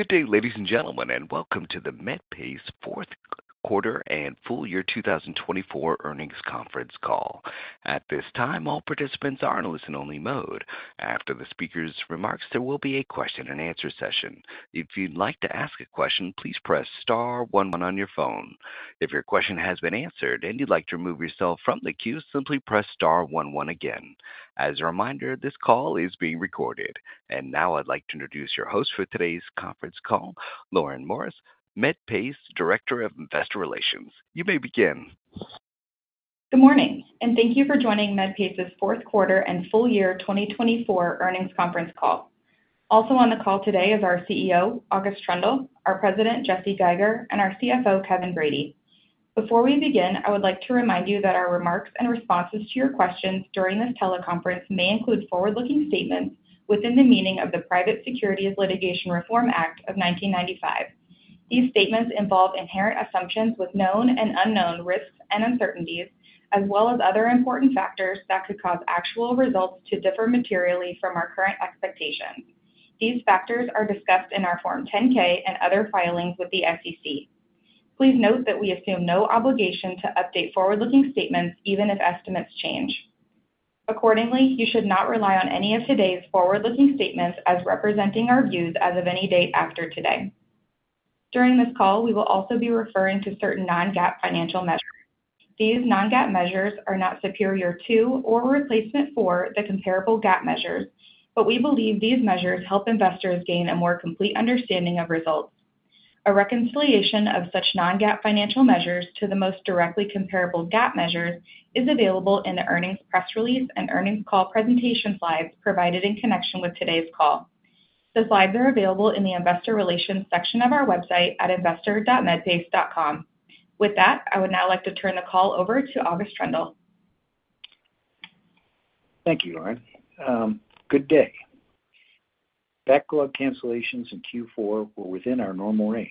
Good day, ladies and gentlemen, and welcome to the Medpace fourth quarter and full year 2024 earnings conference call. At this time, all participants are in listen-only mode. After the speaker's remarks, there will be a question-and-answer session. If you'd like to ask a question, please press star 11 on your phone. If your question has been answered and you'd like to remove yourself from the queue, simply press star 11 again. As a reminder, this call is being recorded. And now I'd like to introduce your host for today's conference call, Lauren Morris, Medpace Director of Investor Relations. You may begin. Good morning, and thank you for joining Medpace's fourth quarter and full year 2024 earnings conference call. Also on the call today is our CEO, August Troendle, our President, Jesse Geiger, and our CFO, Kevin Brady. Before we begin, I would like to remind you that our remarks and responses to your questions during this teleconference may include forward-looking statements within the meaning of the Private Securities Litigation Reform Act of 1995. These statements involve inherent assumptions with known and unknown risks and uncertainties, as well as other important factors that could cause actual results to differ materially from our current expectations. These factors are discussed in our Form 10-K and other filings with the SEC. Please note that we assume no obligation to update forward-looking statements, even if estimates change. Accordingly, you should not rely on any of today's forward-looking statements as representing our views as of any date after today. During this call, we will also be referring to certain non-GAAP financial measures. These non-GAAP measures are not superior to or replacement for the comparable GAAP measures, but we believe these measures help investors gain a more complete understanding of results. A reconciliation of such non-GAAP financial measures to the most directly comparable GAAP measures is available in the earnings press release and earnings call presentation slides provided in connection with today's call. The slides are available in the Investor Relations section of our website at investor.medpace.com. With that, I would now like to turn the call over to August Troendle. Thank you, Lauren. Good day. Backlog cancellations in Q4 were within our normal range.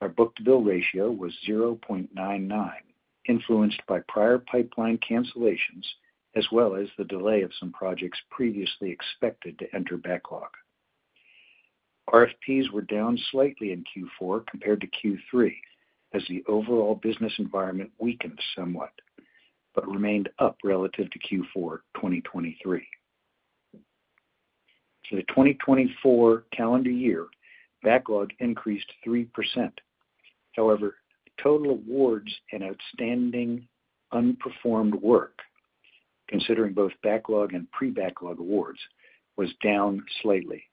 Our book-to-bill ratio was 0.99, influenced by prior pipeline cancellations as well as the delay of some projects previously expected to enter backlog. RFPs were down slightly in Q4 compared to Q3 as the overall business environment weakened somewhat but remained up relative to Q4 2023. For the 2024 calendar year, backlog increased 3%. However, total awards and outstanding unperformed work, considering both backlog and pre-backlog awards, was down slightly.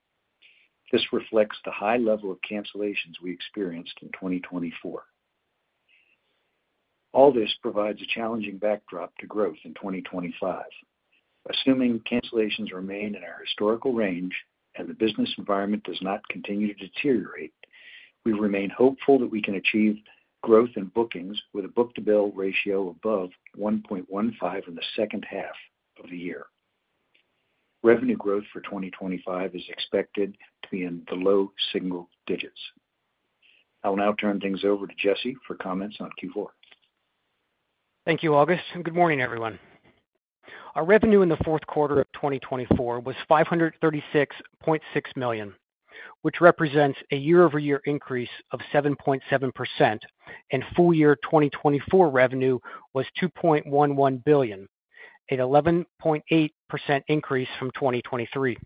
This reflects the high level of cancellations we experienced in 2024. All this provides a challenging backdrop to growth in 2025. Assuming cancellations remain in our historical range and the business environment does not continue to deteriorate, we remain hopeful that we can achieve growth in bookings with a book-to-bill ratio above 1.15 in the second half of the year. Revenue growth for 2025 is expected to be in the low single digits. I will now turn things over to Jesse for comments on Q4. Thank you, August. Good morning, everyone. Our revenue in the fourth quarter of 2024 was $536.6 million, which represents a year-over-year increase of 7.7%, and full year 2024 revenue was $2.11 billion, an 11.8% increase from 2023.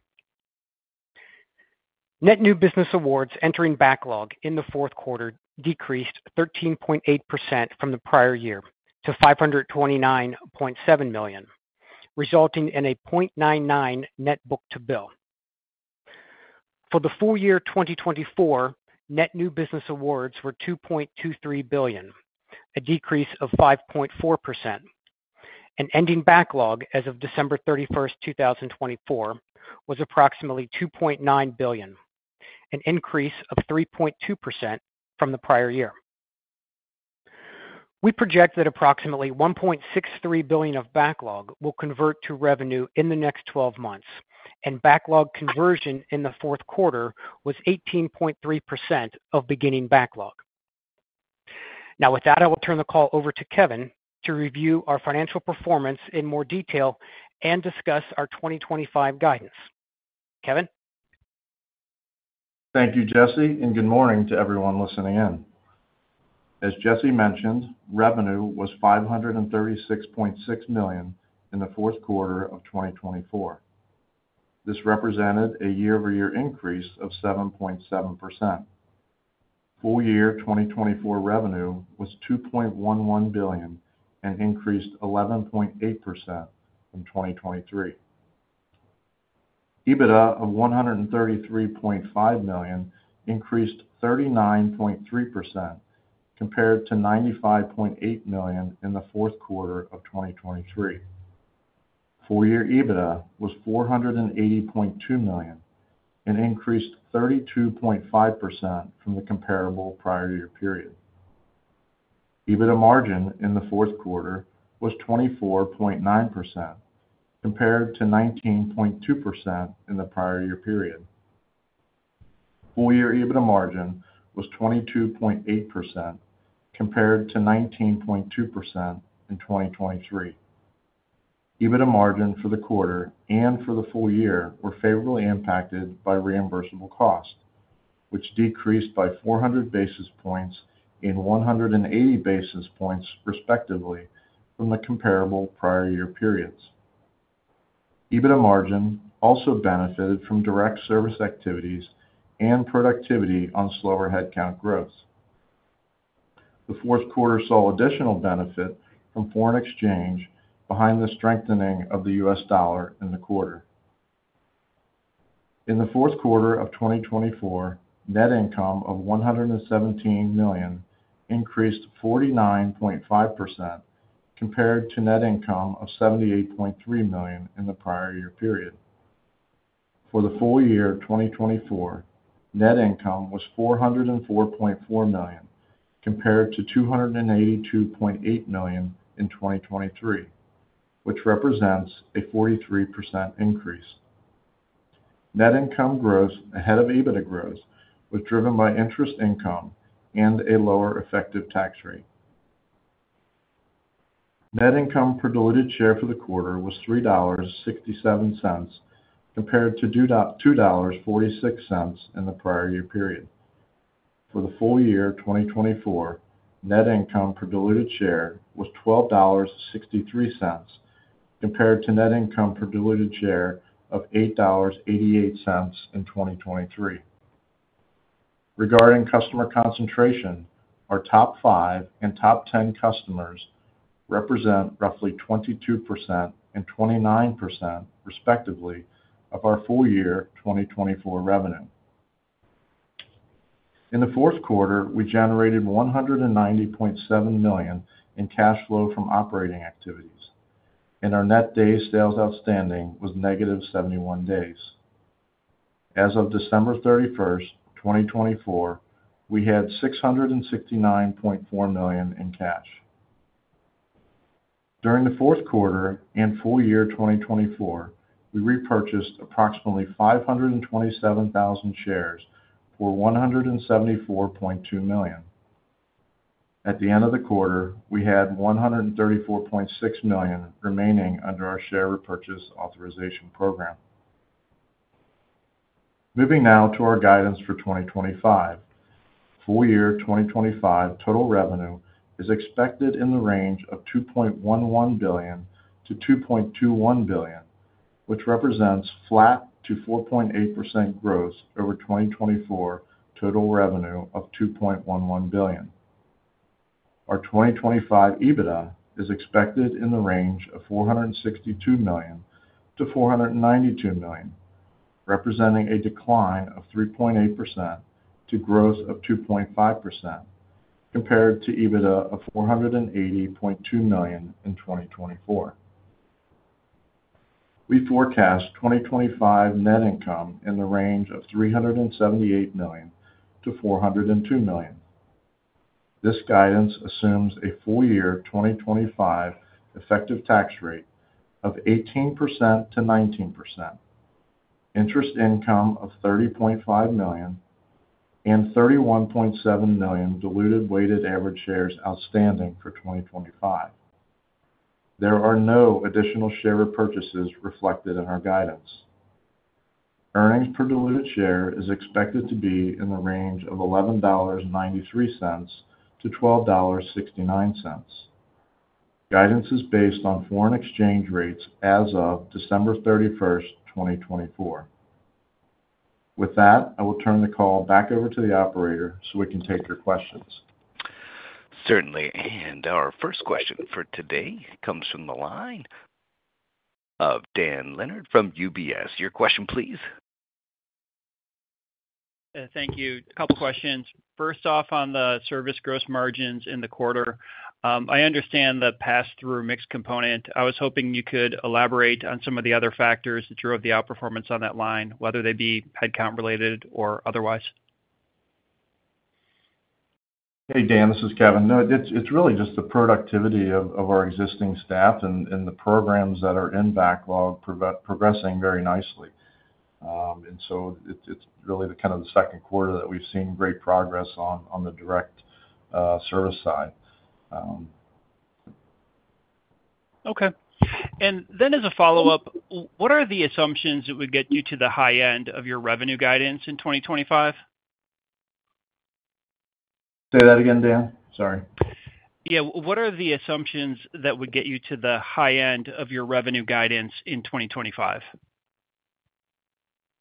Net new business awards entering backlog in the fourth quarter decreased 13.8% from the prior year to $529.7 million, resulting in a 0.99 net book-to-bill. For the full year 2024, net new business awards were $2.23 billion, a decrease of 5.4%, and ending backlog as of December 31, 2024, was approximately $2.9 billion, an increase of 3.2% from the prior year. We project that approximately $1.63 billion of backlog will convert to revenue in the next 12 months, and backlog conversion in the fourth quarter was 18.3% of beginning backlog. Now, with that, I will turn the call over to Kevin to review our financial performance in more detail and discuss our 2025 guidance. Kevin. Thank you, Jesse, and good morning to everyone listening in. As Jesse mentioned, revenue was $536.6 million in the fourth quarter of 2024. This represented a year-over-year increase of 7.7%. Full year 2024 revenue was $2.11 billion and increased 11.8% from 2023. EBITDA of $133.5 million increased 39.3% compared to $95.8 million in the fourth quarter of 2023. Full year EBITDA was $480.2 million and increased 32.5% from the comparable prior year period. EBITDA margin in the fourth quarter was 24.9% compared to 19.2% in the prior year period. Full year EBITDA margin was 22.8% compared to 19.2% in 2023. EBITDA margin for the quarter and for the full year were favorably impacted by reimbursable cost, which decreased by 400 basis points and 180 basis points respectively from the comparable prior year periods. EBITDA margin also benefited from direct service activities and productivity on slower headcount growth. The fourth quarter saw additional benefit from foreign exchange behind the strengthening of the U.S. dollar in the quarter. In the fourth quarter of 2024, net income of $117 million increased 49.5% compared to net income of $78.3 million in the prior year period. For the full year 2024, net income was $404.4 million compared to $282.8 million in 2023, which represents a 43% increase. Net income growth ahead of EBITDA growth was driven by interest income and a lower effective tax rate. Net income per diluted share for the quarter was $3.67 compared to $2.46 in the prior year period. For the full year 2024, net income per diluted share was $12.63 compared to net income per diluted share of $8.88 in 2023. Regarding customer concentration, our top five and top ten customers represent roughly 22% and 29%, respectively, of our full year 2024 revenue. In the fourth quarter, we generated $190.7 million in cash flow from operating activities, and our net day sales outstanding was negative 71 days. As of December 31, 2024, we had $669.4 million in cash. During the fourth quarter and full year 2024, we repurchased approximately 527,000 shares for $174.2 million. At the end of the quarter, we had $134.6 million remaining under our share repurchase authorization program. Moving now to our guidance for 2025, full year 2025 total revenue is expected in the range of $2.11 billion-$2.21 billion, which represents flat to 4.8% growth over 2024 total revenue of $2.11 billion. Our 2025 EBITDA is expected in the range of $462 million-$492 million, representing a decline of 3.8% to growth of 2.5% compared to EBITDA of $480.2 million in 2024. We forecast 2025 net income in the range of $378 million-$402 million. This guidance assumes a full year 2025 effective tax rate of 18%-19%, interest income of $30.5 million, and $31.7 million diluted weighted average shares outstanding for 2025. There are no additional share repurchases reflected in our guidance. Earnings per diluted share is expected to be in the range of $11.93-$12.69. Guidance is based on foreign exchange rates as of December 31, 2024. With that, I will turn the call back over to the operator so we can take your questions. Certainly. And our first question for today comes from the line of Dan Leonard from UBS. Your question, please. Thank you. A couple of questions. First off, on the service gross margins in the quarter, I understand the pass-through mix component. I was hoping you could elaborate on some of the other factors that drove the outperformance on that line, whether they be headcount related or otherwise. Hey, Dan, this is Kevin. No, it's really just the productivity of our existing staff and the programs that are in backlog progressing very nicely. And so it's really the kind of the second quarter that we've seen great progress on the direct service side. Okay. And then as a follow-up, what are the assumptions that would get you to the high end of your revenue guidance in 2025? Say that again, Dan. Sorry. Yeah. What are the assumptions that would get you to the high end of your revenue guidance in 2025?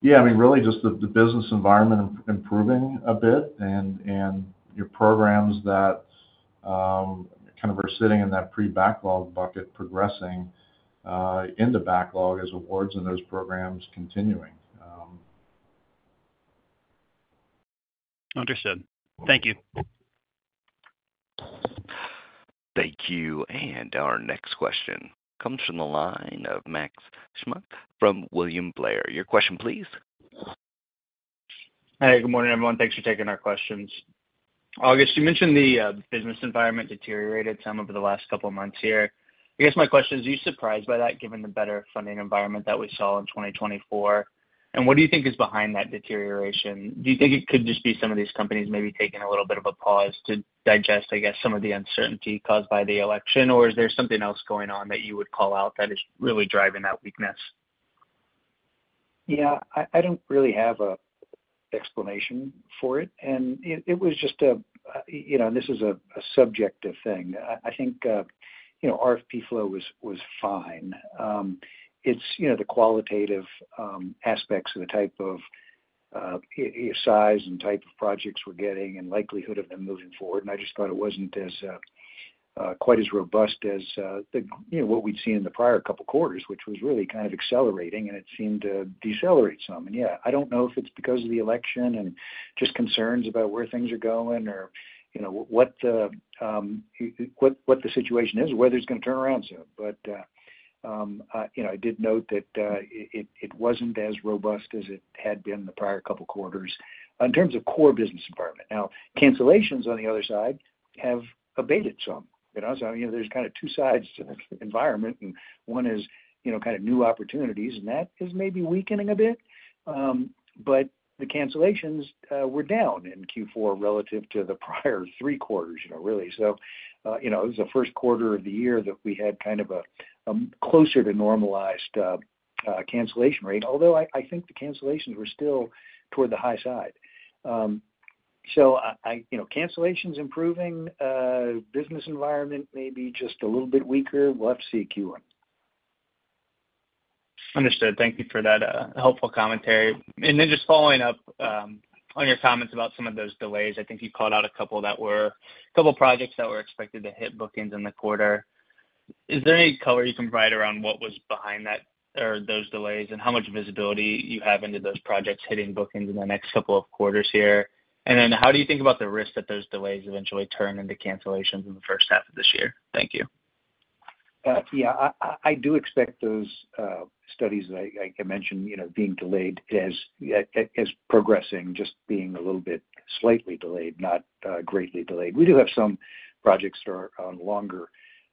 Yeah, I mean, really just the business environment improving a bit and your programs that kind of are sitting in that pre-backlog bucket progressing into backlog as awards and those programs continuing. Understood. Thank you. Thank you. And our next question comes from the line of Max Smock from William Blair. Your question, please. Hey, good morning, everyone. Thanks for taking our questions. August, you mentioned the business environment deteriorated some over the last couple of months here. I guess my question is, are you surprised by that given the better funding environment that we saw in 2024? And what do you think is behind that deterioration? Do you think it could just be some of these companies maybe taking a little bit of a pause to digest, I guess, some of the uncertainty caused by the election, or is there something else going on that you would call out that is really driving that weakness? Yeah, I don't really have an explanation for it, and it was just a, this is a subjective thing. I think RFP flow was fine. It's the qualitative aspects of the type of size and type of projects we're getting and likelihood of them moving forward, and I just thought it wasn't quite as robust as what we'd seen in the prior couple of quarters, which was really kind of accelerating, and it seemed to decelerate some, and yeah, I don't know if it's because of the election and just concerns about where things are going or what the situation is, whether it's going to turn around soon, but I did note that it wasn't as robust as it had been the prior couple of quarters in terms of core business environment. Now, cancellations, on the other side, have abated some, so there's kind of two sides to this environment. One is kind of new opportunities, and that is maybe weakening a bit. The cancellations were down in Q4 relative to the prior three quarters, really. It was the first quarter of the year that we had kind of a closer to normalized cancellation rate, although I think the cancellations were still toward the high side. Cancellations improving, business environment maybe just a little bit weaker. We'll have to see Q1. Understood. Thank you for that helpful commentary. And then just following up on your comments about some of those delays, I think you called out a couple of projects that were expected to hit bookings in the quarter. Is there any color you can provide around what was behind those delays and how much visibility you have into those projects hitting bookings in the next couple of quarters here? And then how do you think about the risk that those delays eventually turn into cancellations in the first half of this year? Thank you. Yeah, I do expect those studies that I mentioned being delayed but progressing, just being a little bit slightly delayed, not greatly delayed. We do have some projects that are on a longer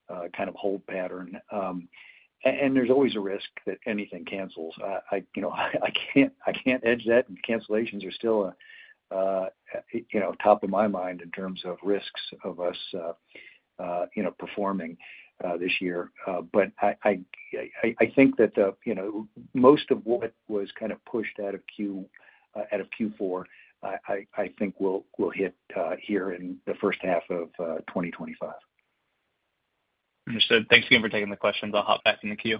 kind of holding pattern. And there's always a risk that anything cancels. I can't hedge that. Cancellations are still top of my mind in terms of risks of us performing this year. But I think that most of what was kind of pushed out of Q4, I think, will hit here in the first half of 2025. Understood. Thanks again for taking the questions. I'll hop back in the queue.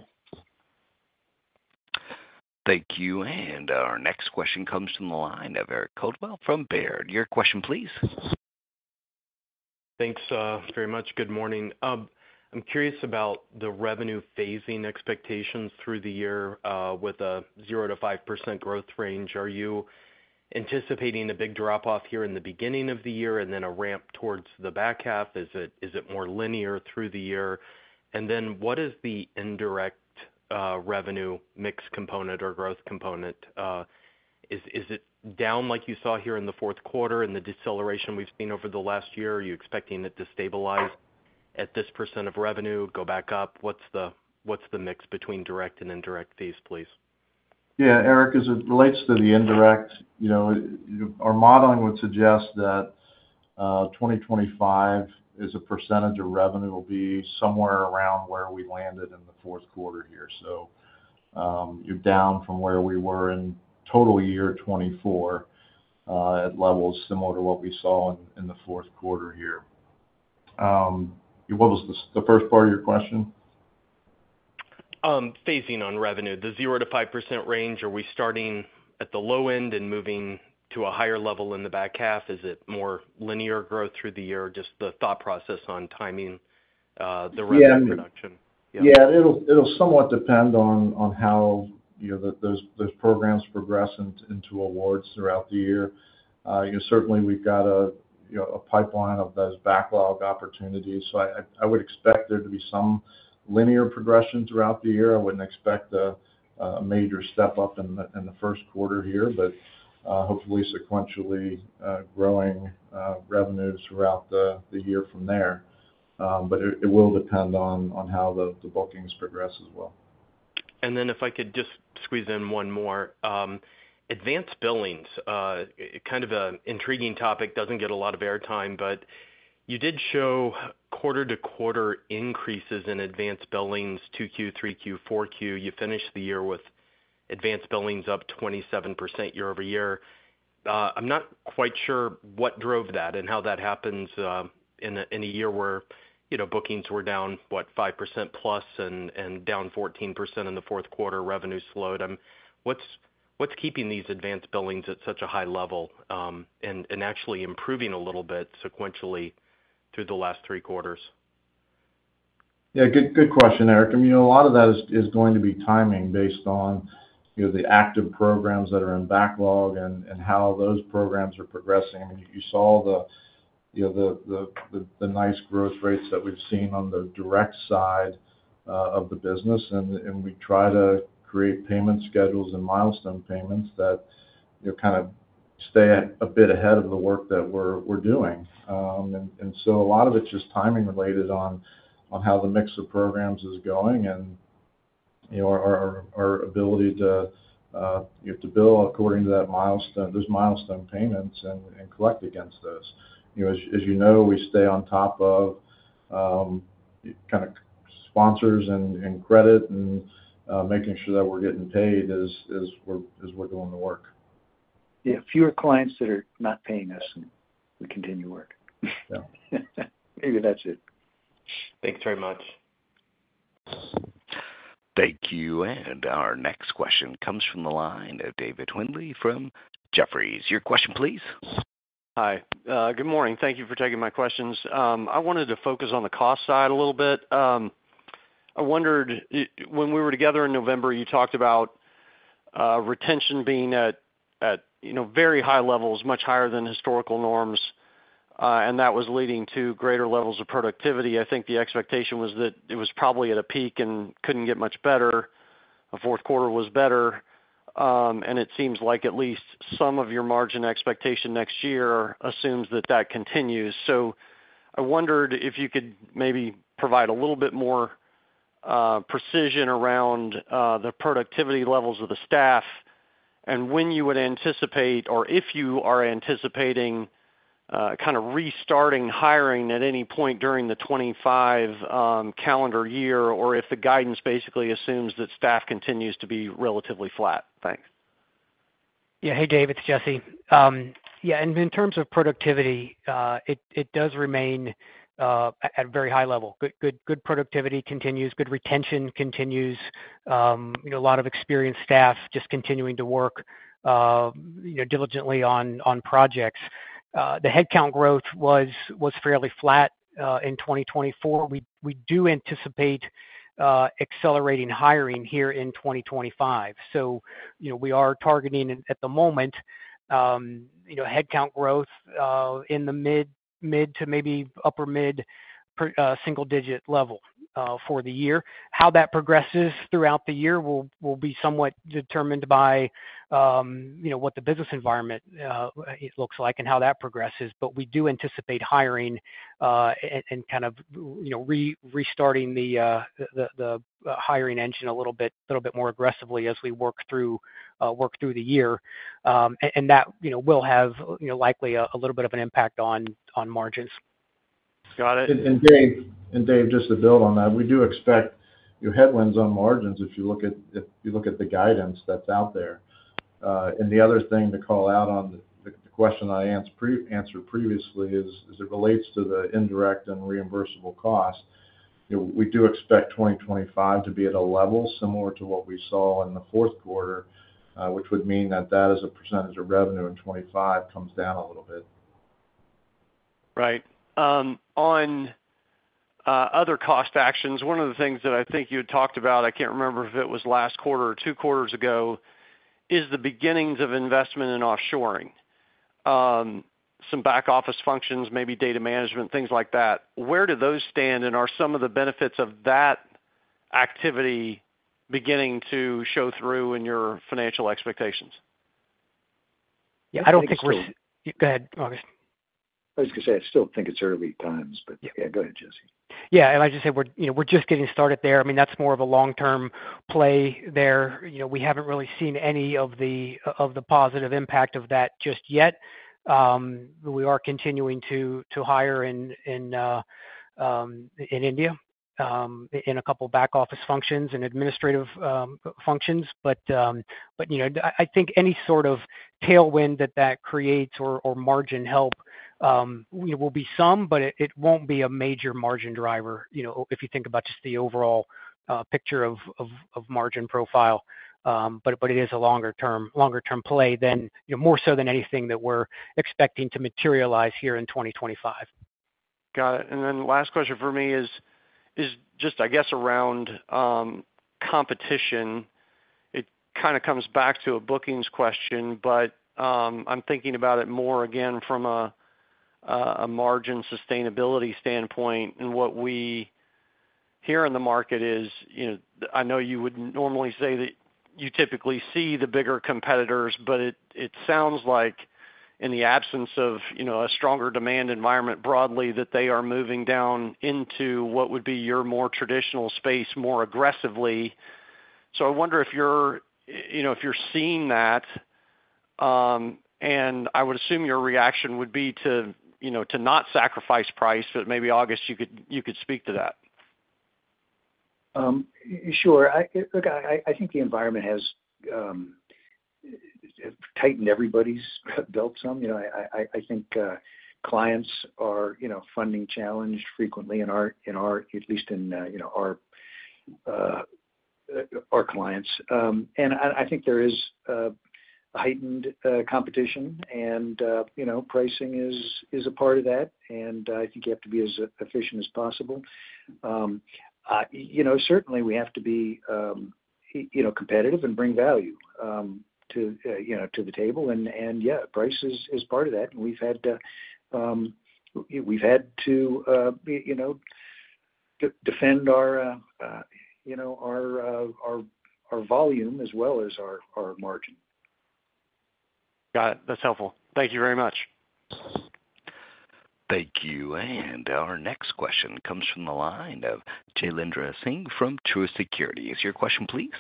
Thank you. And our next question comes from the line of Eric Caldwell from Baird. Your question, please. Thanks very much. Good morning. I'm curious about the revenue phasing expectations through the year with a 0-5% growth range. Are you anticipating a big drop-off here in the beginning of the year and then a ramp towards the back half? Is it more linear through the year? And then what is the indirect revenue mix component or growth component? Is it down like you saw here in the fourth quarter and the deceleration we've seen over the last year? Are you expecting it to stabilize at this percent of revenue, go back up? What's the mix between direct and indirect fees, please? Yeah, Eric, as it relates to the indirect, our modeling would suggest that 2025 is a percentage of revenue will be somewhere around where we landed in the fourth quarter here. So you're down from where we were in total year 2024 at levels similar to what we saw in the fourth quarter here. What was the first part of your question? Phasing on revenue, the 0%-5% range, are we starting at the low end and moving to a higher level in the back half? Is it more linear growth through the year or just the thought process on timing the revenue production? Yeah, it'll somewhat depend on how those programs progress into awards throughout the year. Certainly, we've got a pipeline of those backlog opportunities. So I would expect there to be some linear progression throughout the year. I wouldn't expect a major step up in the first quarter here, but hopefully sequentially growing revenues throughout the year from there. But it will depend on how the bookings progress as well. And then, if I could just squeeze in one more, advanced billings, kind of an intriguing topic, doesn't get a lot of airtime, but you did show quarter-to-quarter increases in advanced billings Q2, Q3, Q4. You finished the year with advanced billings up 27% year over year. I'm not quite sure what drove that and how that happens in a year where bookings were down, what, 5% plus and down 14% in the fourth quarter, revenue slowed. What's keeping these advanced billings at such a high level and actually improving a little bit sequentially through the last three quarters? Yeah, good question, Eric. I mean, a lot of that is going to be timing based on the active programs that are in backlog and how those programs are progressing. I mean, you saw the nice growth rates that we've seen on the direct side of the business. And we try to create payment schedules and milestone payments that kind of stay a bit ahead of the work that we're doing. And so a lot of it's just timing related on how the mix of programs is going and our ability to bill according to those milestone payments and collect against those. As you know, we stay on top of kind of sponsors and credit and making sure that we're getting paid as we're doing the work. Yeah, fewer clients that are not paying us and we continue work. Yeah. Maybe that's it. Thanks very much. Thank you. And our next question comes from the line of David Windley from Jefferies. Your question, please. Hi. Good morning. Thank you for taking my questions. I wanted to focus on the cost side a little bit. I wondered when we were together in November, you talked about retention being at very high levels, much higher than historical norms, and that was leading to greater levels of productivity. I think the expectation was that it was probably at a peak and couldn't get much better. The fourth quarter was better, and it seems like at least some of your margin expectation next year assumes that that continues, so I wondered if you could maybe provide a little bit more precision around the productivity levels of the staff and when you would anticipate or if you are anticipating kind of restarting hiring at any point during the 2025 calendar year or if the guidance basically assumes that staff continues to be relatively flat. Thanks. Yeah. Hey, David, it's Jesse. Yeah, and in terms of productivity, it does remain at a very high level. Good productivity continues. Good retention continues. A lot of experienced staff just continuing to work diligently on projects. The headcount growth was fairly flat in 2024. We do anticipate accelerating hiring here in 2025. So we are targeting at the moment headcount growth in the mid to maybe upper mid single-digit level for the year. How that progresses throughout the year will be somewhat determined by what the business environment looks like and how that progresses. But we do anticipate hiring and kind of restarting the hiring engine a little bit more aggressively as we work through the year. And that will have likely a little bit of an impact on margins. Got it. And Dave, just to build on that, we do expect headwinds on margins if you look at the guidance that's out there. And the other thing to call out on the question I answered previously is it relates to the indirect and reimbursable cost. We do expect 2025 to be at a level similar to what we saw in the fourth quarter, which would mean that as a percentage of revenue in 2025 comes down a little bit. Right. On other cost actions, one of the things that I think you had talked about, I can't remember if it was last quarter or two quarters ago, is the beginnings of investment in offshoring, some back office functions, maybe data management, things like that. Where do those stand? And are some of the benefits of that activity beginning to show through in your financial expectations? Yeah, I don't think we're. Go ahead, August. I was going to say I still think it's early times, but yeah, go ahead, Jesse. Yeah. And I just said we're just getting started there. I mean, that's more of a long-term play there. We haven't really seen any of the positive impact of that just yet. We are continuing to hire in India in a couple of back office functions and administrative functions. But I think any sort of tailwind that that creates or margin help will be some, but it won't be a major margin driver if you think about just the overall picture of margin profile. But it is a longer-term play more so than anything that we're expecting to materialize here in 2025. Got it. And then last question for me is just, I guess, around competition. It kind of comes back to a bookings question, but I'm thinking about it more again from a margin sustainability standpoint. And what we hear in the market is I know you would normally say that you typically see the bigger competitors, but it sounds like in the absence of a stronger demand environment broadly, that they are moving down into what would be your more traditional space more aggressively. So I wonder if you're seeing that. And I would assume your reaction would be to not sacrifice price, but maybe August, you could speak to that. Sure. Look, I think the environment has tightened everybody's belts some. I think clients are funding challenged frequently in our, at least in our clients. And I think there is heightened competition, and pricing is a part of that. And I think you have to be as efficient as possible. Certainly, we have to be competitive and bring value to the table. And yeah, price is part of that. And we've had to defend our volume as well as our margin. Got it. That's helpful. Thank you very much. Thank you. And our next question comes from the line of Jailendra Singh from Truist Securities. Is your question, please?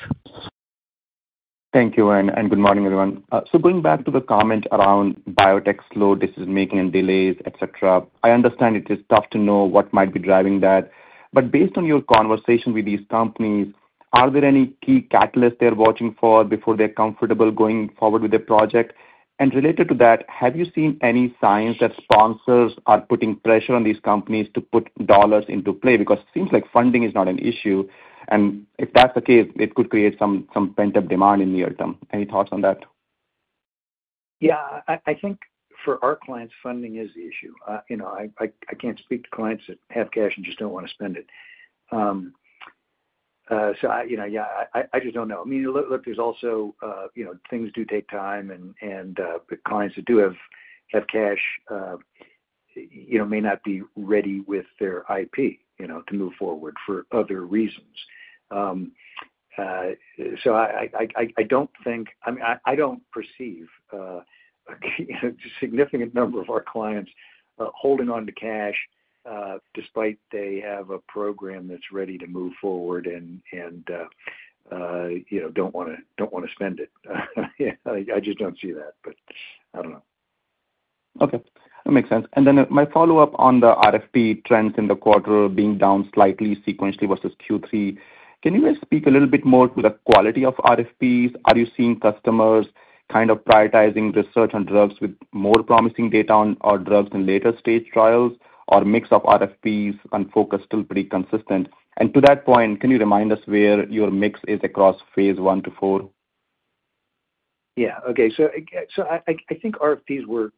Thank you, and good morning, everyone. So going back to the comment around biotech slow decision-making and delays, etc., I understand it is tough to know what might be driving that. But based on your conversation with these companies, are there any key catalysts they're watching for before they're comfortable going forward with the project? And related to that, have you seen any signs that sponsors are putting pressure on these companies to put dollars into play? Because it seems like funding is not an issue. And if that's the case, it could create some pent-up demand in the near term. Any thoughts on that? Yeah. I think for our clients, funding is the issue. I can't speak to clients that have cash and just don't want to spend it. So yeah, I just don't know. I mean, look, there's also things do take time, and the clients that do have cash may not be ready with their IP to move forward for other reasons. So I don't think, I mean, I don't perceive a significant number of our clients holding on to cash despite they have a program that's ready to move forward and don't want to spend it. I just don't see that, but I don't know. Okay. That makes sense. And then my follow-up on the RFP trends in the quarter being down slightly sequentially versus Q3. Can you guys speak a little bit more to the quality of RFPs? Are you seeing customers kind of prioritizing research on drugs with more promising data on drugs in later-stage trials or mix of RFPs and focus still pretty consistent? And to that point, can you remind us where your mix is across phase one to four? Yeah. Okay. So I think RFPs were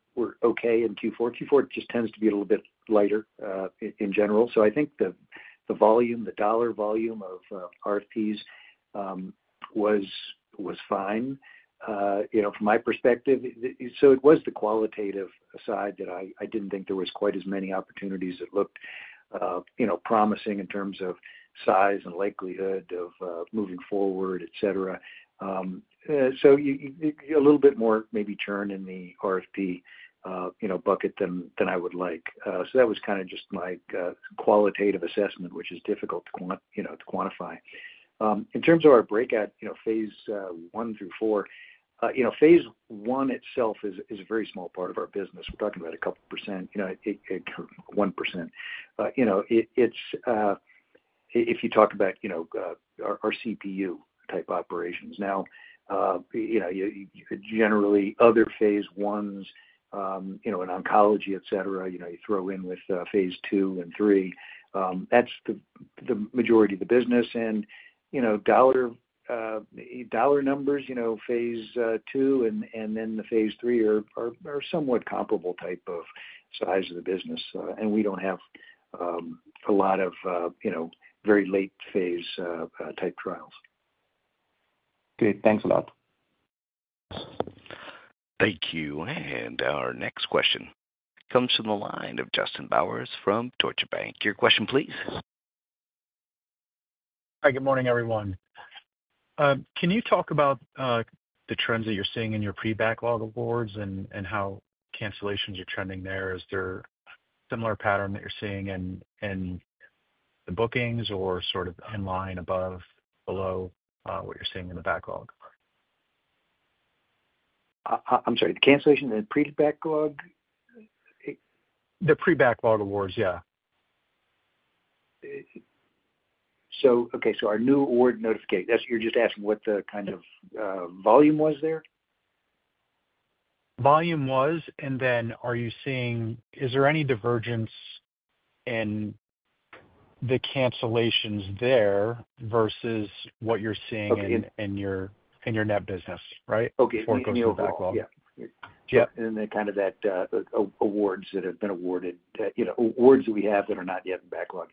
okay in Q4. Q4 just tends to be a little bit lighter in general. So I think the volume, the dollar volume of RFPs was fine from my perspective. So it was the qualitative side that I didn't think there was quite as many opportunities that looked promising in terms of size and likelihood of moving forward, etc. So a little bit more maybe churn in the RFP bucket than I would like. So that was kind of just my qualitative assessment, which is difficult to quantify. In terms of our breakout phase one through four, phase one itself is a very small part of our business. We're talking about a couple %, 1%. If you talk about our CPU type operations. Now, generally, other phase ones in oncology, etc., you throw in with phase two and three. That's the majority of the business. And dollar numbers, phase two and then the phase three are somewhat comparable type of size of the business. And we don't have a lot of very late-phase type trials. Good. Thanks a lot. Thank you. And our next question comes from the line of Justin Bowers from Deutsche Bank. Your question, please. Hi. Good morning, everyone. Can you talk about the trends that you're seeing in your pre-backlog awards and how cancellations are trending there? Is there a similar pattern that you're seeing in the bookings or sort of in line above, below what you're seeing in the backlog? I'm sorry. The cancellation in the pre-backlog? The pre-backlog awards, yeah. Okay, so our new award notification, you're just asking what the kind of volume was there? Volume was. And then, are you seeing, is there any divergence in the cancellations there versus what you're seeing in your net business, right? Okay. In the new backlog. Yeah. And then kind of that awards that have been awarded, awards that we have that are not yet in backlog.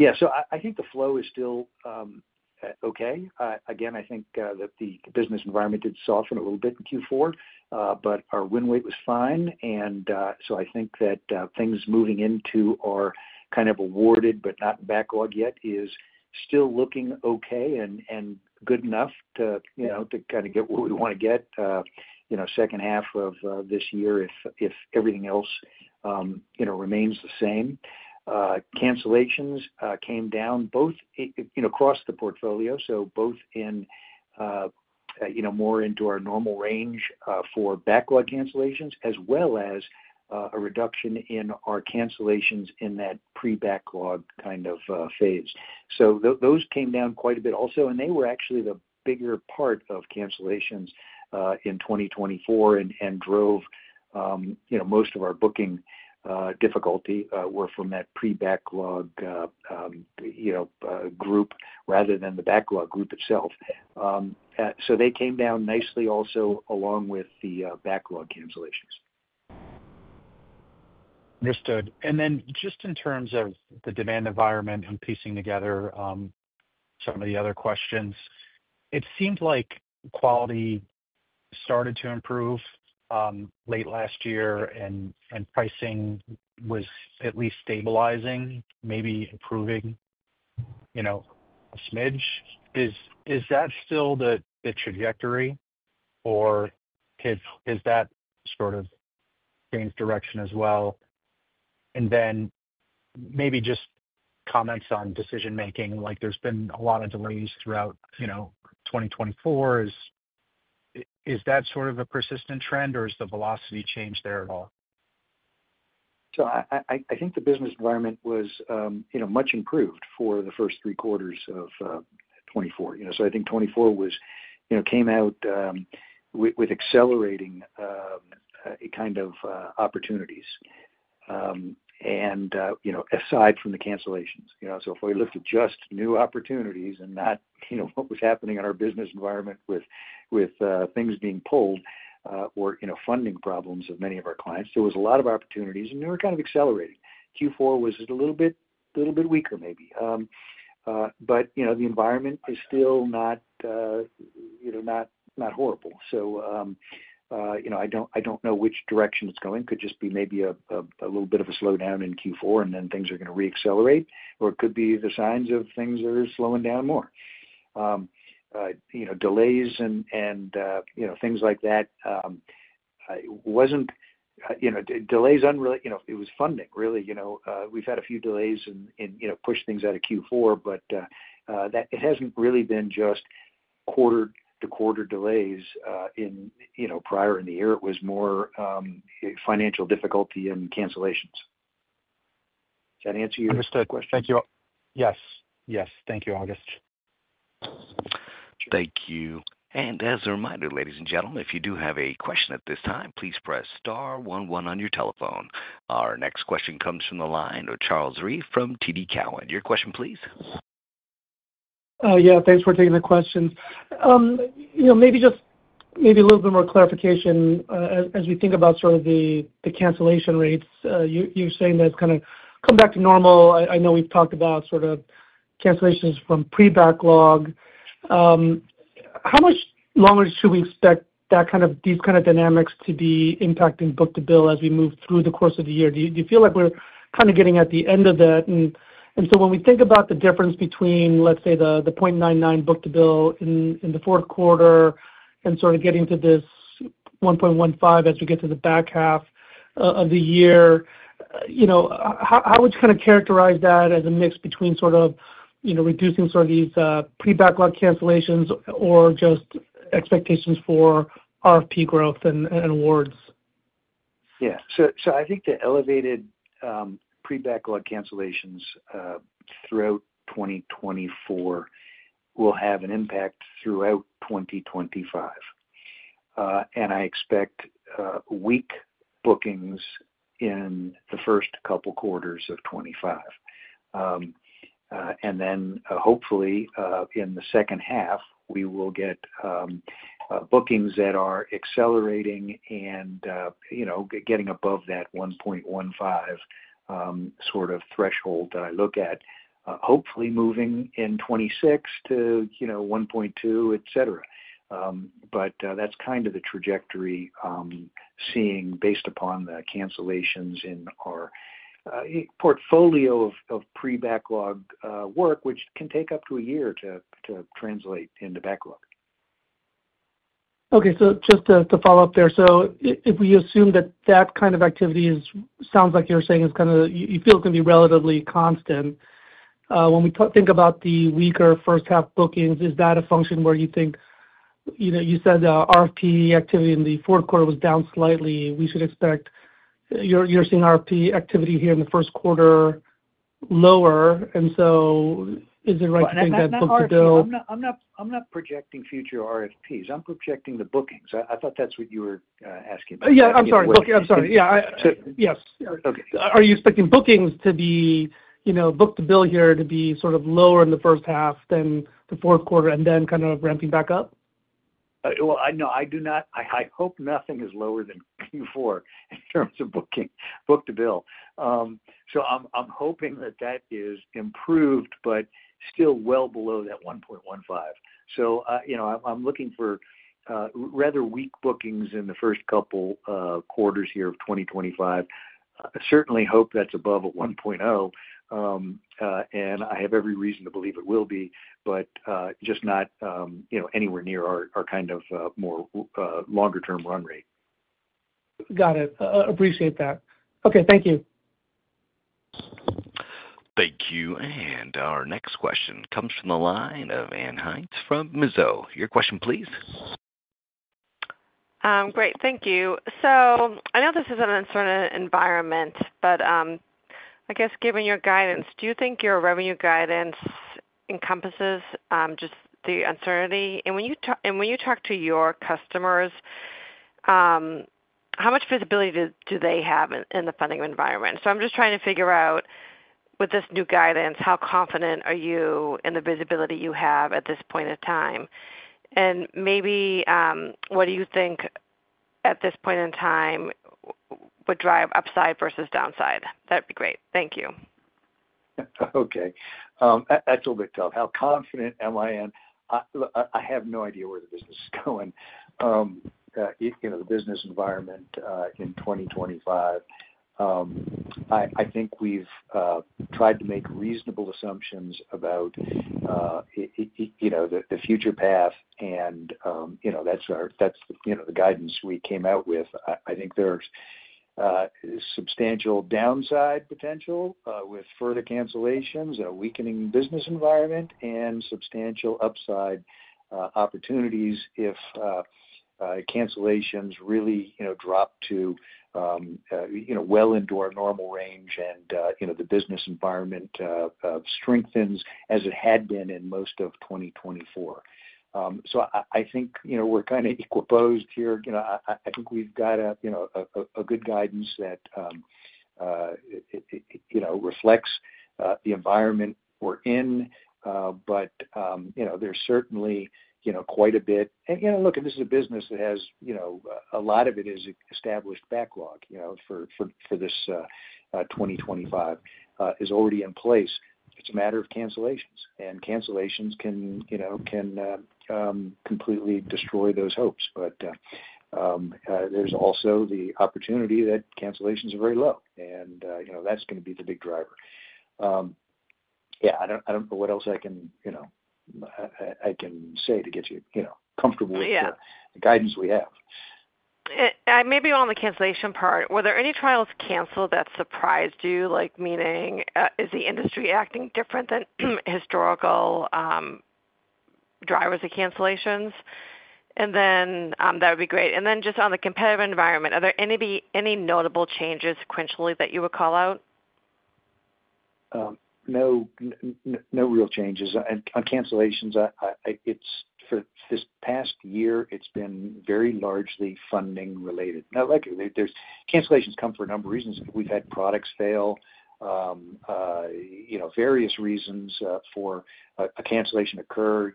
Yeah. So I think the flow is still okay. Again, I think that the business environment did soften a little bit in Q4, but our win rate was fine. And so I think that things moving into our kind of awarded but not backlog yet is still looking okay and good enough to kind of get what we want to get second half of this year if everything else remains the same. Cancellations came down both across the portfolio, so both in more into our normal range for backlog cancellations as well as a reduction in our cancellations in that pre-backlog kind of phase. So those came down quite a bit also. They were actually the bigger part of cancellations in 2024 and drove most of our booking difficulty were from that pre-backlog group rather than the backlog group itself. They came down nicely also along with the backlog cancellations. Understood. And then just in terms of the demand environment and piecing together some of the other questions, it seemed like quality started to improve late last year and pricing was at least stabilizing, maybe improving a smidge. Is that still the trajectory or has that sort of changed direction as well? And then maybe just comments on decision-making, like there's been a lot of delays throughout 2024. Is that sort of a persistent trend or is the velocity changed there at all? I think the business environment was much improved for the first three quarters of 2024. So I think 2024 came out with accelerating kind of opportunities. And aside from the cancellations, so if we looked at just new opportunities and not what was happening in our business environment with things being pulled or funding problems of many of our clients, there was a lot of opportunities and they were kind of accelerating. Q4 was a little bit weaker maybe. But the environment is still not horrible. So I don't know which direction it's going. Could just be maybe a little bit of a slowdown in Q4 and then things are going to re-accelerate. Or it could be the signs of things are slowing down more. Delays and things like that wasn't delays unreal. It was funding, really. We've had a few delays in pushing things out of Q4, but it hasn't really been just quarter-to-quarter delays earlier in the year. It was more financial difficulty and cancellations. Does that answer your question? Thank you. Yes. Yes. Thank you, August. Thank you. And as a reminder, ladies and gentlemen, if you do have a question at this time, please press star 11 on your telephone. Our next question comes from the line of Charles Rhyee from TD Cowen. Your question, please. Yeah. Thanks for taking the questions. Maybe just maybe a little bit more clarification as we think about sort of the cancellation rates. You're saying that it's kind of come back to normal. I know we've talked about sort of cancellations from pre-backlog. How much longer should we expect that kind of these kind of dynamics to be impacting book to bill as we move through the course of the year? Do you feel like we're kind of getting at the end of that? And so when we think about the difference between, let's say, the 0.99 book to bill in the fourth quarter and sort of getting to this 1.15 as we get to the back half of the year, how would you kind of characterize that as a mix between sort of reducing sort of these pre-backlog cancellations or just expectations for RFP growth and awards? Yeah. So I think the elevated pre-backlog cancellations throughout 2024 will have an impact throughout 2025. And I expect weak bookings in the first couple quarters of 2025. And then hopefully in the second half, we will get bookings that are accelerating and getting above that 1.15 sort of threshold that I look at, hopefully moving in 2026 to 1.2, etc. But that's kind of the trajectory seeing based upon the cancellations in our portfolio of pre-backlog work, which can take up to a year to translate into backlog. Okay. So just to follow up there, so if we assume that that kind of activity sounds like you're saying is kind of you feel it's going to be relatively constant. When we think about the weaker first-half bookings, is that a function where you think you said RFP activity in the fourth quarter was down slightly. We should expect you're seeing RFP activity here in the first quarter lower. And so is it right to think that book to bill? I'm not projecting future RFPs. I'm projecting the bookings. I thought that's what you were asking about. Are you expecting bookings to be book-to-bill here to be sort of lower in the first half than the fourth quarter and then kind of ramping back up? No, I do not. I hope nothing is lower than Q4 in terms of book-to-bill. So I'm hoping that that is improved, but still well below that 1.15. So I'm looking for rather weak bookings in the first couple quarters here of 2025. I certainly hope that's above 1.0, and I have every reason to believe it will be, but just not anywhere near our kind of more longer-term run rate. Got it. Appreciate that. Okay. Thank you. Thank you. And our next question comes from the line of Ann Hynes from Mizuho. Your question, please. Great. Thank you. So I know this is an uncertain environment, but I guess given your guidance, do you think your revenue guidance encompasses just the uncertainty? And when you talk to your customers, how much visibility do they have in the funding environment? So I'm just trying to figure out with this new guidance, how confident are you in the visibility you have at this point in time? And maybe what do you think at this point in time would drive upside versus downside? That'd be great. Thank you. Okay. That's a little bit tough. How confident am I in? I have no idea where the business is going. The business environment in 2025, I think we've tried to make reasonable assumptions about the future path. And that's the guidance we came out with. I think there's substantial downside potential with further cancellations and a weakening business environment and substantial upside opportunities if cancellations really drop to well into our normal range and the business environment strengthens as it had been in most of 2024. So I think we're kind of equally poised here. I think we've got a good guidance that reflects the environment we're in. But there's certainly quite a bit. And look, this is a business that has a lot of it is established backlog for this 2025 is already in place. It's a matter of cancellations. And cancellations can completely destroy those hopes. But there's also the opportunity that cancellations are very low. And that's going to be the big driver. Yeah. I don't know what else I can say to get you comfortable with the guidance we have. Maybe on the cancellation part, were there any trials canceled that surprised you? Meaning, is the industry acting different than historical drivers of cancellations? And then that would be great. And then just on the competitive environment, are there any notable changes sequentially that you would call out? No real changes. On cancellations, for this past year, it's been very largely funding-related. Now, look, cancellations come for a number of reasons. We've had products fail, various reasons for a cancellation to occur,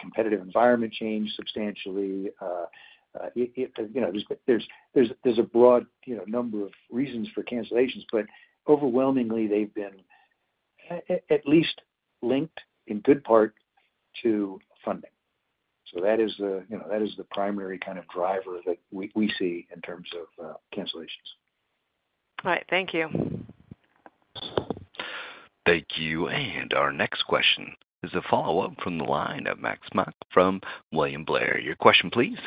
competitive environment change substantially. There's a broad number of reasons for cancellations. But overwhelmingly, they've been at least linked in good part to funding. So that is the primary kind of driver that we see in terms of cancellations. All right. Thank you. Thank you. And our next question is a follow-up from the line of Max Smock from William Blair. Your question, please.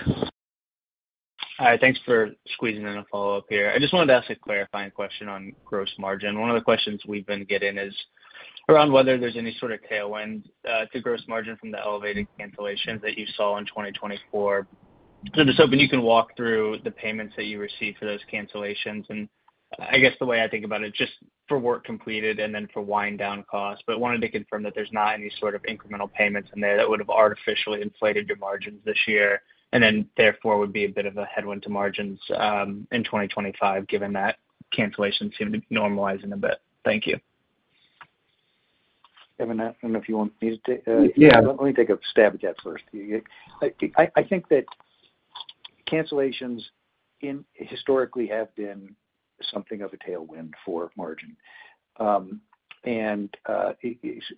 Hi. Thanks for squeezing in a follow-up here. I just wanted to ask a clarifying question on gross margin. One of the questions we've been getting is around whether there's any sort of tailwind to gross margin from the elevated cancellations that you saw in 2024. So just hoping you can walk through the payments that you received for those cancellations. And I guess the way I think about it, just for work completed and then for wind-down costs. But I wanted to confirm that there's not any sort of incremental payments in there that would have artificially inflated your margins this year. And then therefore would be a bit of a headwind to margins in 2025 given that cancellations seem to be normalizing a bit. Thank you. Kevin, I don't know if you want me to let me take a stab at that first. I think that cancellations historically have been something of a tailwind for margin, and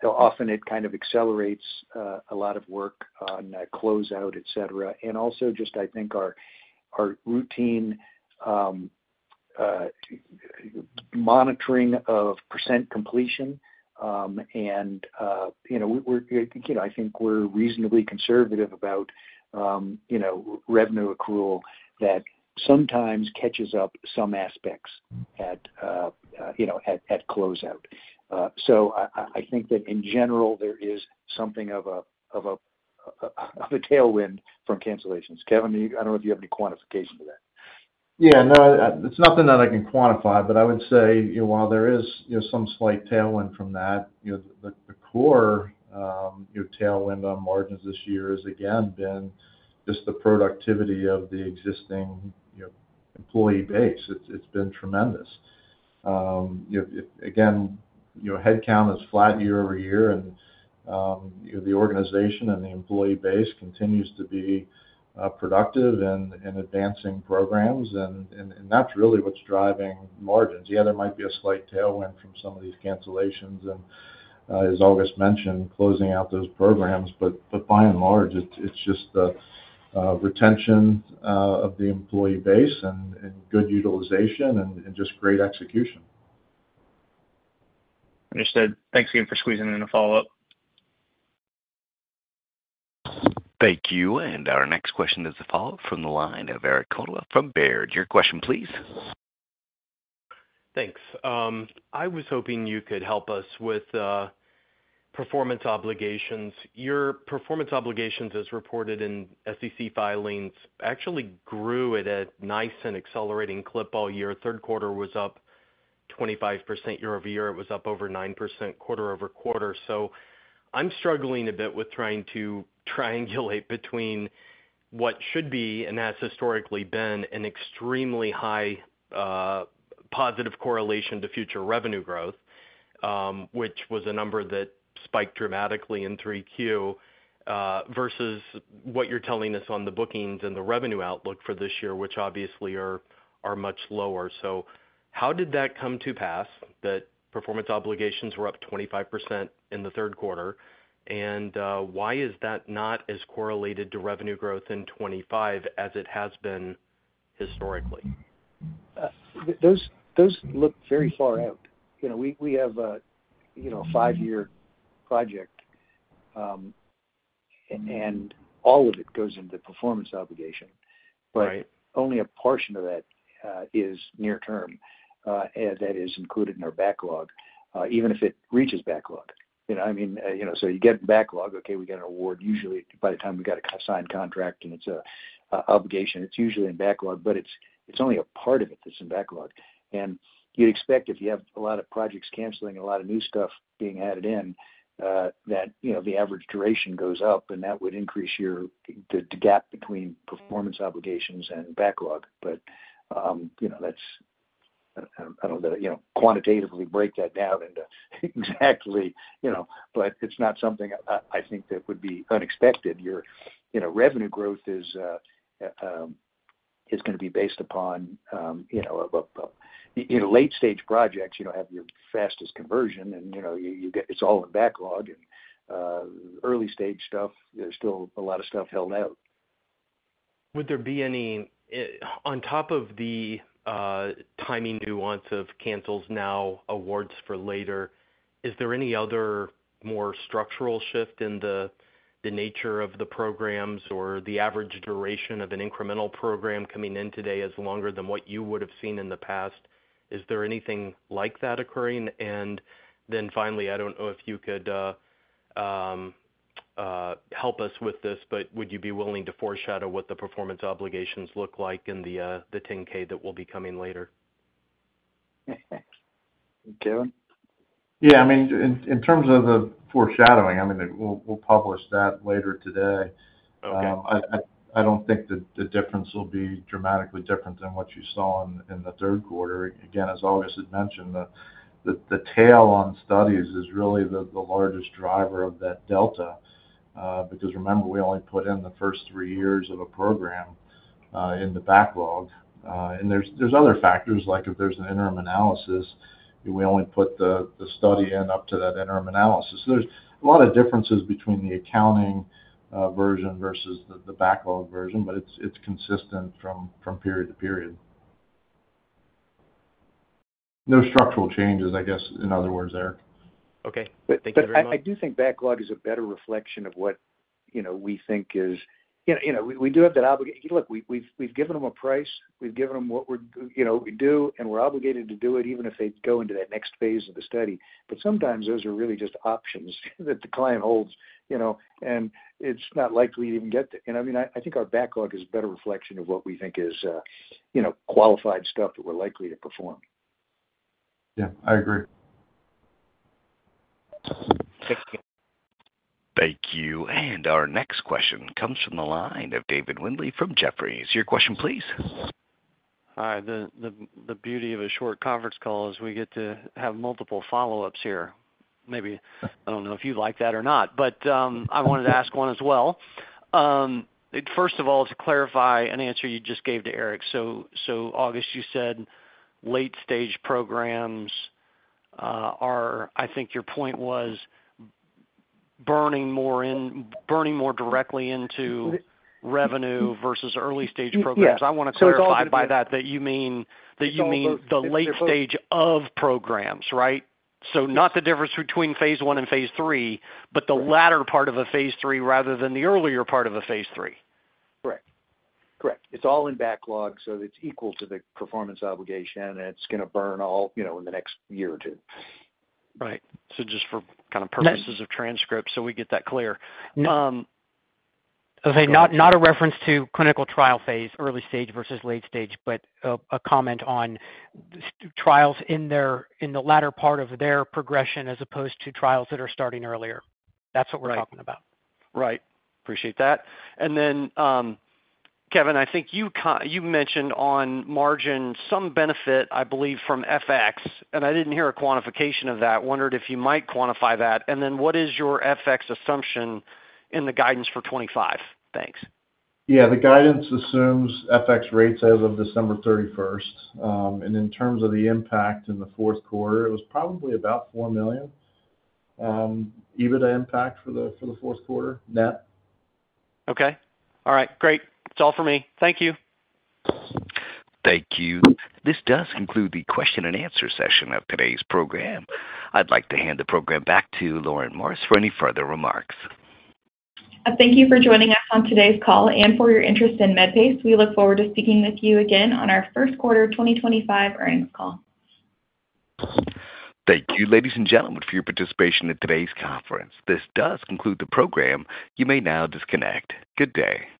often it kind of accelerates a lot of work on closeout, etc., and also just I think our routine monitoring of percent completion, and I think we're reasonably conservative about revenue accrual that sometimes catches up some aspects at closeout, so I think that in general, there is something of a tailwind from cancellations. Kevin, I don't know if you have any quantification to that. Yeah. No, it's nothing that I can quantify. But I would say while there is some slight tailwind from that, the core tailwind on margins this year has again been just the productivity of the existing employee base. It's been tremendous. Again, headcount is flat year over year. And the organization and the employee base continues to be productive and advancing programs. And that's really what's driving margins. Yeah, there might be a slight tailwind from some of these cancellations and, as August mentioned, closing out those programs. But by and large, it's just the retention of the employee base and good utilization and just great execution. Understood. Thanks again for squeezing in a follow-up. Thank you. And our next question is a follow-up from the line of Eric Coldwell from Baird. Your question, please. Thanks. I was hoping you could help us with performance obligations. Your performance obligations as reported in SEC filings actually grew at a nice and accelerating clip all year. Third quarter was up 25% year over year. It was up over 9% quarter over quarter. So I'm struggling a bit with trying to triangulate between what should be and has historically been an extremely high positive correlation to future revenue growth, which was a number that spiked dramatically in 3Q versus what you're telling us on the bookings and the revenue outlook for this year, which obviously are much lower. So how did that come to pass that performance obligations were up 25% in the third quarter? And why is that not as correlated to revenue growth in 2025 as it has been historically? Those look very far out. We have a five-year project. And all of it goes into performance obligation. But only a portion of that is near-term that is included in our backlog, even if it reaches backlog. I mean, so you get backlog. Okay, we get an award. Usually, by the time we've got to sign a contract and it's an obligation, it's usually in backlog. But it's only a part of it that's in backlog. And you'd expect if you have a lot of projects canceling and a lot of new stuff being added in that the average duration goes up. And that would increase the gap between performance obligations and backlog. But that's I don't know that I can quantitatively break that down into exactly. But it's not something I think that would be unexpected. Your revenue growth is going to be based upon late-stage projects. You don't have your fastest conversion. And it's all in backlog. And early-stage stuff, there's still a lot of stuff held out. Would there be any on top of the timing nuance of cancels now, awards for later, is there any other more structural shift in the nature of the programs or the average duration of an incremental program coming in today as longer than what you would have seen in the past? Is there anything like that occurring? And then finally, I don't know if you could help us with this, but would you be willing to foreshadow what the performance obligations look like in the 10-K that will be coming later? Kevin. Yeah. I mean, in terms of the foreshadowing, I mean, we'll publish that later today. I don't think the difference will be dramatically different than what you saw in the third quarter. Again, as August had mentioned, the tail on studies is really the largest driver of that delta. Because remember, we only put in the first three years of a program in the backlog. And there's other factors. Like if there's an interim analysis, we only put the study in up to that interim analysis. There's a lot of differences between the accounting version versus the backlog version, but it's consistent from period to period. No structural changes, I guess, in other words, Eric. Okay. Thank you very much. I do think backlog is a better reflection of what we think is. We do have that obligation. Look, we've given them a price. We've given them what we do. And we're obligated to do it even if they go into that next phase of the study. But sometimes those are really just options that the client holds. And it's not likely to even get there. I mean, I think our backlog is a better reflection of what we think is qualified stuff that we're likely to perform. Yeah. I agree. Thank you. Thank you. And our next question comes from the line of David Windley from Jefferies. Your question, please. Hi. The beauty of a short conference call is we get to have multiple follow-ups here. Maybe I don't know if you'd like that or not. But I wanted to ask one as well. First of all, to clarify an answer you just gave to Eric. So August, you said late-stage programs are, I think your point was burning more directly into revenue versus early-stage programs. I want to clarify by that that you mean the late stage of programs, right? So not the difference between phase one and phase three, but the latter part of a phase three rather than the earlier part of a phase three. Correct. Correct. It's all in backlog so that it's equal to the performance obligation, and it's going to burn all in the next year or two. Right. So just for kind of purposes of transcript, so we get that clear. Not a reference to clinical trial phase, early stage versus late stage, but a comment on trials in the latter part of their progression as opposed to trials that are starting earlier. That's what we're talking about. Right. Appreciate that. And then, Kevin, I think you mentioned on margin some benefit, I believe, from FX. And I didn't hear a quantification of that. Wondered if you might quantify that. And then what is your FX assumption in the guidance for 2025? Thanks. Yeah. The guidance assumes FX rates as of December 31st. And in terms of the impact in the fourth quarter, it was probably about $4 million EBITDA impact for the fourth quarter net. Okay. All right. Great. That's all for me. Thank you. Thank you. This does conclude the question and answer session of today's program. I'd like to hand the program back to Lauren Morris for any further remarks. Thank you for joining us on today's call, and for your interest in Medpace, we look forward to speaking with you again on our first quarter 2025 earnings call. Thank you, ladies and gentlemen, for your participation in today's conference. This does conclude the program. You may now disconnect. Good day.